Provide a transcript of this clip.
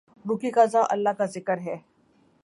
روح کی غذا اللہ کا ذکر ہے